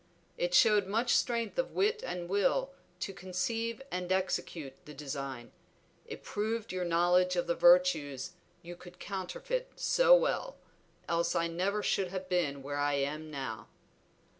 It showed much strength of wit and will to conceive and execute the design. It proved your knowledge of the virtues you could counterfeit so well, else I never should have been where I am now."